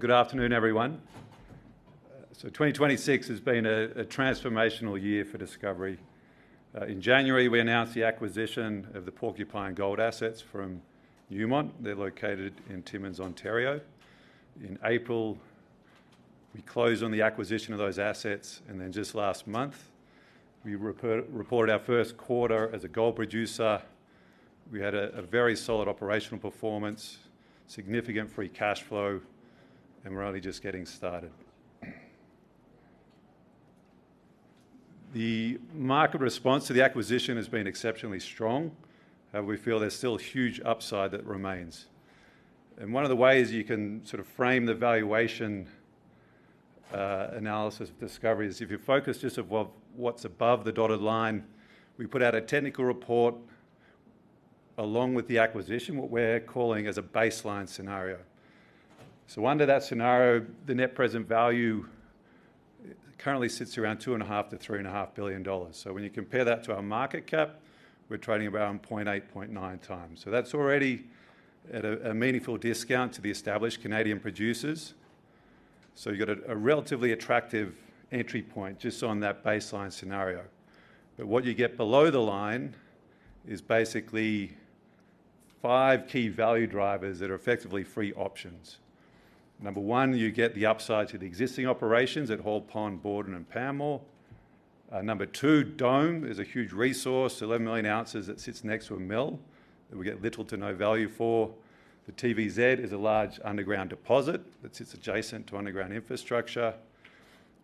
Good afternoon, everyone. So 2026 has been a transformational year for Discovery. In January, we announced the acquisition of the Porcupine gold assets from Newmont. They're located in Timmins, Ontario. In April, we closed on the acquisition of those assets, and then just last month, we reported our Q1 as a gold producer. We had a very solid operational performance, significant free cash flow, and we're only just getting started. The market response to the acquisition has been exceptionally strong, however, we feel there's still huge upside that remains. And one of the ways you can sort of frame the valuation analysis of Discovery is if you focus just on what's above the dotted line, we put out a technical report along with the acquisition, what we're calling a baseline scenario. So under that scenario, the net present value currently sits around $2.5-$3.5 billion. So when you compare that to our market cap, we're trading around 0.8, 0.9 times. So that's already at a meaningful discount to the established Canadian producers. So you've got a relatively attractive entry point just on that baseline scenario. But what you get below the line is basically five key value drivers that are effectively free options. Number one, you get the upside to the existing operations at Hoyle Pond, Borden, and Pamour. Number two, Dome is a huge resource, 11 million ounces that sits next to a mill that we get little to no value for. The TVZ is a large underground deposit that sits adjacent to underground infrastructure.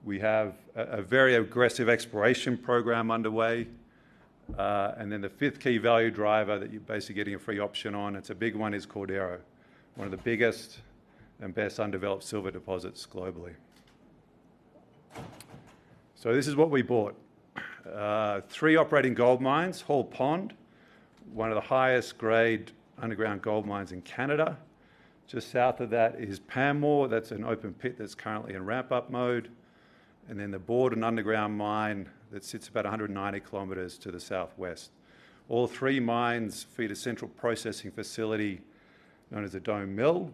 We have a very aggressive exploration program underway. And then the fifth key value driver that you're basically getting a free option on, it's a big one, is Cordero, one of the biggest and best undeveloped silver deposits globally. This is what we bought: three operating gold mines, Hoyle Pond, one of the highest-grade underground gold mines in Canada. Just south of that is Pamour. That's an open pit that's currently in ramp-up mode. Then the Borden underground mine that sits about 190 km to the southwest. All three mines feed a central processing facility known as the Dome Mill.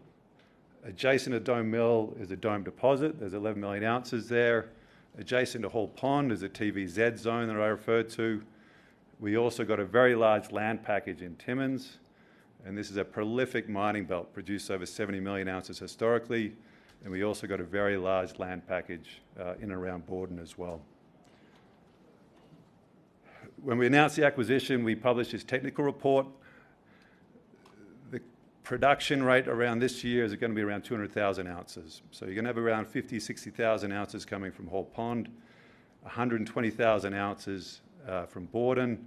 Adjacent to Dome Mill is a Dome deposit. There's 11 million ounces there. Adjacent to Hoyle Pond is a TVZ zone that I referred to. We also got a very large land package in Timmins. This is a prolific mining belt produced over 70 million ounces historically. We also got a very large land package in and around Borden as well. When we announced the acquisition, we published this technical report. The production rate around this year is going to be around 200,000 ounces. So you're going to have around 50,000-60,000 ounces coming from Hoyle Pond, 120,000 ounces from Borden,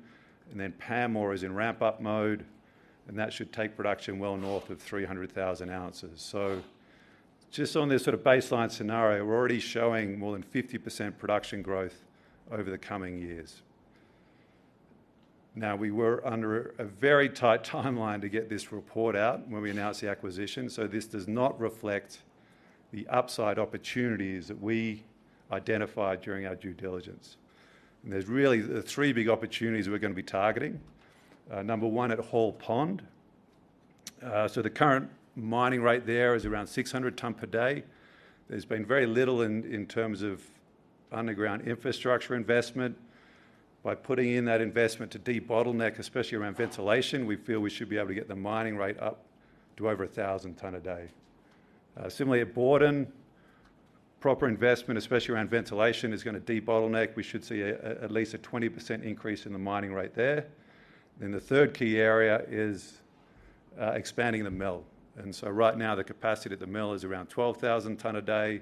and then Pamour is in ramp-up mode. And that should take production well north of 300,000 ounces. So just on this sort of baseline scenario, we're already showing more than 50% production growth over the coming years. Now, we were under a very tight timeline to get this report out when we announced the acquisition. So this does not reflect the upside opportunities that we identified during our due diligence. And there's really three big opportunities we're going to be targeting. Number one, at Hoyle Pond. So the current mining rate there is around 600 tonnes per day. There's been very little in terms of underground infrastructure investment. By putting in that investment to de-bottleneck, especially around ventilation, we feel we should be able to get the mining rate up to over 1,000 tonnes a day. Similarly, at Borden, proper investment, especially around ventilation, is going to de-bottleneck. We should see at least a 20% increase in the mining rate there. Then the third key area is expanding the mill. And so right now, the capacity at the mill is around 12,000 tonnes a day.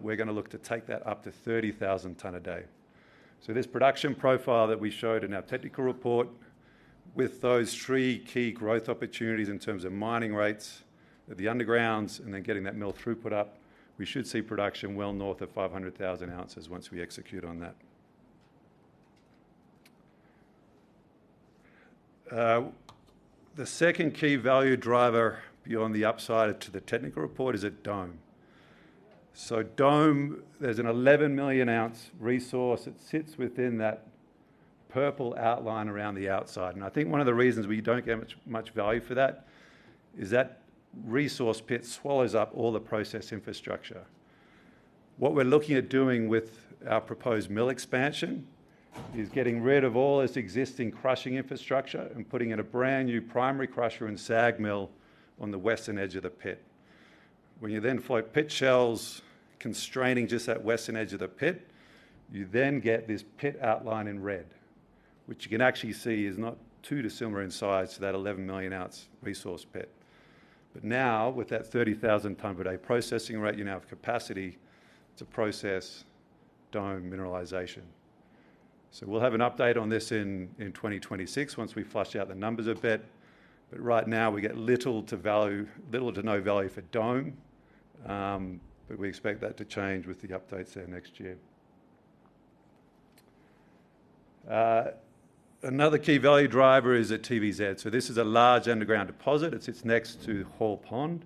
We're going to look to take that up to 30,000 tonnes a day. So this production profile that we showed in our technical report, with those three key growth opportunities in terms of mining rates, the undergrounds, and then getting that mill throughput up, we should see production well north of 500,000 ounces once we execute on that. The second key value driver beyond the upside to the technical report is at Dome. Dome, there's an 11 million ounce resource that sits within that purple outline around the outside. And I think one of the reasons we don't get much value for that is that resource pit swallows up all the process infrastructure. What we're looking at doing with our proposed mill expansion is getting rid of all this existing crushing infrastructure and putting in a brand new primary crusher and SAG mill on the western edge of the pit. When you then float pit shells constraining just that western edge of the pit, you then get this pit outline in red, which you can actually see is not too dissimilar in size to that 11 million ounce resource pit. But now, with that 30,000 tonnes per day processing rate, you now have capacity to process Dome mineralization. So we'll have an update on this in 2026 once we flesh out the numbers a bit. But right now, we get little to no value for Dome. But we expect that to change with the updates there next year. Another key value driver is at TVZ. So this is a large underground deposit. It sits next to Hoyle Pond.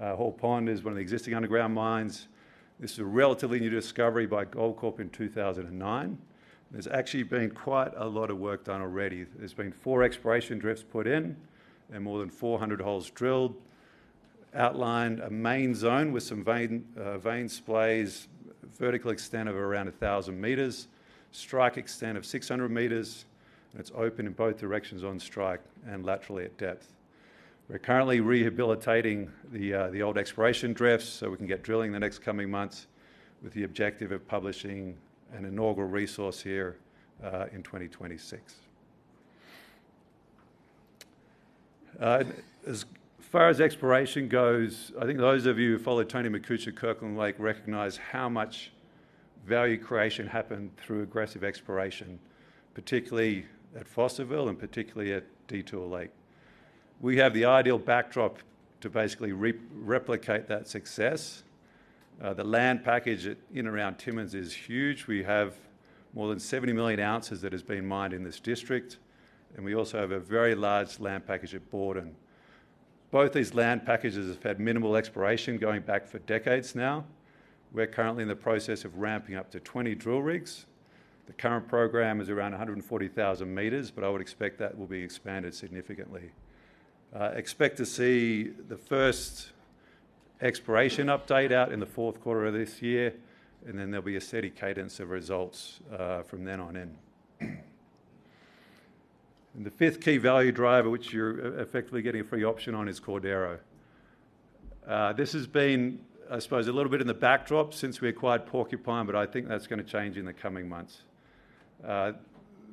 Hoyle Pond is one of the existing underground mines. This is a relatively new discovery by Goldcorp in 2009. There's actually been quite a lot of work done already. There's been four exploration drifts put in and more than 400 holes drilled. Outlined a main zone with some vein splays, vertical extent of around 1,000 meters, strike extent of 600 meters, and it's open in both directions on strike and laterally at depth. We're currently rehabilitating the old exploration drifts so we can get drilling in the next coming months with the objective of publishing an inaugural resource here in 2026. As far as exploration goes, I think those of you who follow Tony Makuch at Kirkland Lake recognize how much value creation happened through aggressive exploration, particularly at Fosterville and particularly at Detour Lake. We have the ideal backdrop to basically replicate that success. The land package in and around Timmins is huge. We have more than 70 million ounces that has been mined in this district, and we also have a very large land package at Borden. Both these land packages have had minimal exploration going back for decades now. We're currently in the process of ramping up to 20 drill rigs. The current program is around 140,000 meters, but I would expect that will be expanded significantly. Expect to see the first exploration update out in the Q4 of this year. And then there'll be a steady cadence of results from then on in. The fifth key value driver, which you're effectively getting a free option on, is Cordero. This has been, I suppose, a little bit in the backdrop since we acquired Porcupine, but I think that's going to change in the coming months.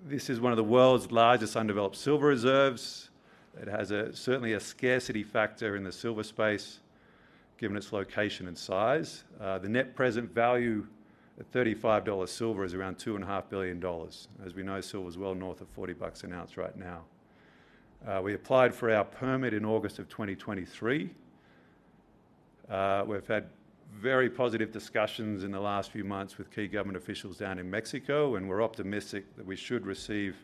This is one of the world's largest undeveloped silver reserves. It has certainly a scarcity factor in the silver space, given its location and size. The net present value at $35 silver is around $2.5 billion. As we know, silver is well north of 40 bucks an ounce right now. We applied for our permit in August of 2023. We've had very positive discussions in the last few months with key government officials down in Mexico, and we're optimistic that we should receive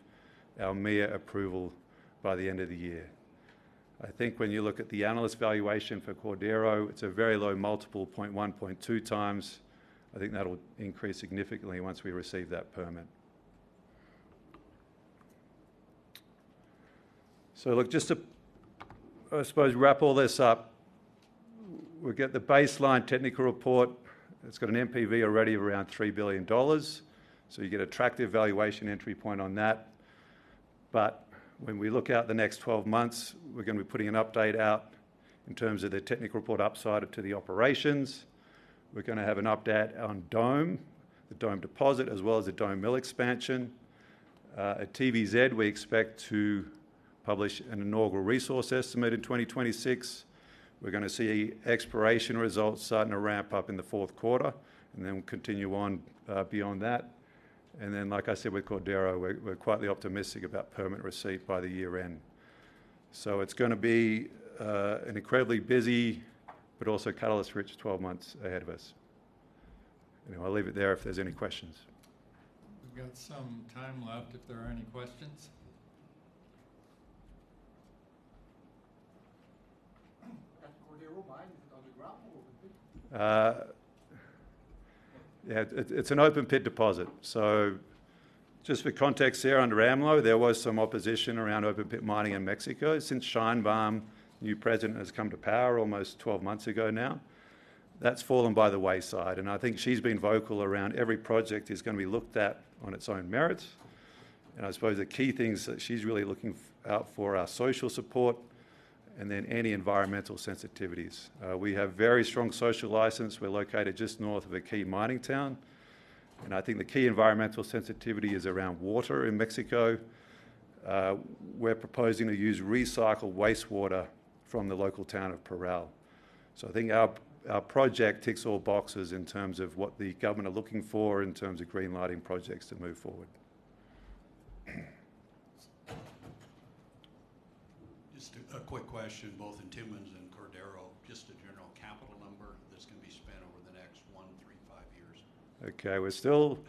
our MIA approval by the end of the year. I think when you look at the analyst valuation for Cordero, it's a very low multiple, 0.1, 0.2 times. I think that'll increase significantly once we receive that permit. So look, just to, I suppose, wrap all this up, we'll get the baseline technical report. It's got an NPV already of around $3 billion. So you get an attractive valuation entry point on that. But when we look out the next 12 months, we're going to be putting an update out in terms of the technical report upside to the operations. We're going to have an update on Dome, the Dome deposit, as well as the Dome mill expansion. At TVZ, we expect to publish an inaugural resource estimate in 2026. We're going to see exploration results starting to ramp up in the Q4, and then continue on beyond that. And then, like I said, with Cordero, we're quite optimistic about permit receipt by the year end. So it's going to be an incredibly busy, but also catalyst-rich 12 months ahead of us. Anyway, I'll leave it there if there's any questions. We've got some time left if there are any questions. Cordero mine is an underground or an open pit? Yeah, it's an open pit deposit. So just for context here on AMLO, there was some opposition around open pit mining in Mexico since Sheinbaum, new president, has come to power almost 12 months ago now. That's fallen by the wayside. And I think she's been vocal around every project is going to be looked at on its own merits. And I suppose the key things that she's really looking out for are social support and then any environmental sensitivities. We have very strong social license. We're located just north of a key mining town. And I think the key environmental sensitivity is around water in Mexico. We're proposing to use recycled wastewater from the local town of Parral. So I think our project ticks all boxes in terms of what the government are looking for in terms of greenlighting projects to move forward. Just a quick question, both in Timmins and Cordero, just a general capital number that's going to be spent over the next one, three, five years? Okay, we're still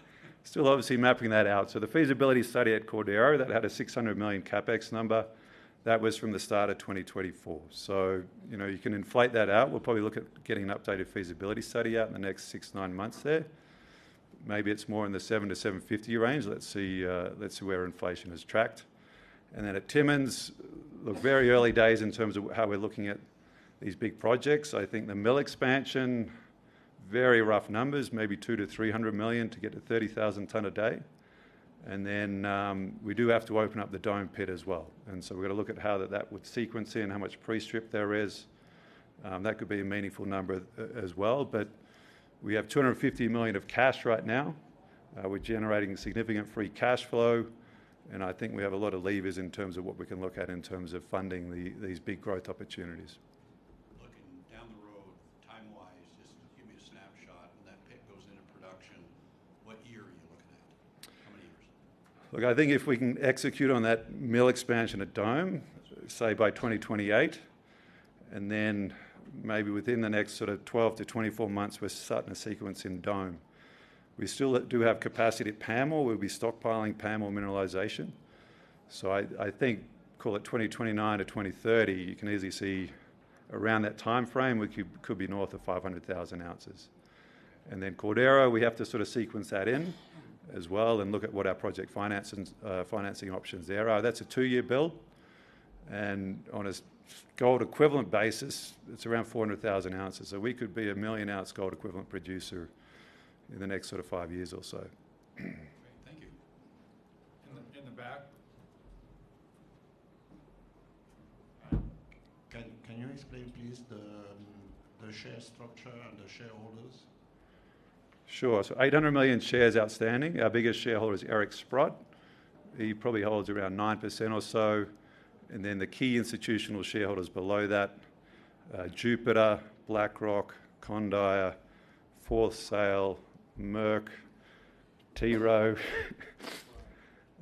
obviously mapping that out, so the feasibility study at Cordero, that had a $600 million CapEx number, that was from the start of 2024, so you can inflate that out. We'll probably look at getting an updated feasibility study out in the next six, nine months there. Maybe it's more in the $700-$750 range. Let's see where inflation is tracked, and then at Timmins, look, very early days in terms of how we're looking at these big projects. I think the mill expansion, very rough numbers, maybe $200-$300 million to get to 30,000 tonnes a day, and then we do have to open up the Dome pit as well, and so we've got to look at how that would sequence in and how much pre-strip there is. That could be a meaningful number as well. But we have $250 million of cash right now. We're generating significant free cash flow. And I think we have a lot of levers in terms of what we can look at in terms of funding these big growth opportunities. Looking down the road, time-wise, just give me a snapshot. When that pit goes into production, what year are you looking at? How many years? Look, I think if we can execute on that mill expansion at Dome, say by 2028, and then maybe within the next sort of 12 to 24 months, we're starting to sequence in Dome. We still do have capacity at Pamour where we'll be stockpiling Pamour mineralization. So I think, call it 2029 to 2030, you can easily see around that timeframe, we could be north of 500,000 ounces. Then Cordero, we have to sort of sequence that in as well and look at what our project financing options there are. That's a two-year build. On a gold equivalent basis, it's around 400,000 ounces. So we could be a million-ounce gold equivalent producer in the next sort of five years or so. Great. Thank you. In the back. Can you explain, please, the share structure and the shareholders? Sure. So 800 million shares outstanding. Our biggest shareholder is Eric Sprott. He probably holds around 9% or so. And then the key institutional shareholders below that: Jupiter, BlackRock, Condire, Fourth Sail, Merk, T. Rowe.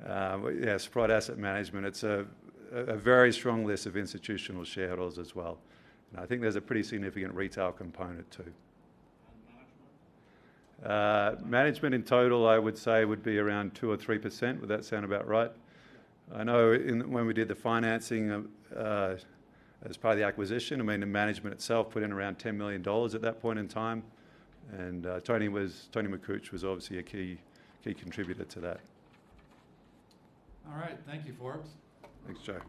Yeah, Sprott Asset Management. It's a very strong list of institutional shareholders as well. And I think there's a pretty significant retail component too. And management? Management in total, I would say, would be around two or three%. Would that sound about right? I know when we did the financing as part of the acquisition, I mean, the management itself put in around $10 million at that point in time. And Tony Makuch was obviously a key contributor to that. All right. Thank you, Forbes. Thanks, Joe.